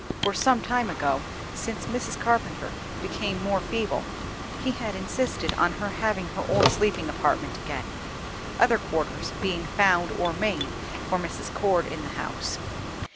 For some time ago, since Mrs. Carpenter became more feeble, he had insisted on her having her old sleeping apartment again, other quarters being found or made for Mrs. Cord in the house.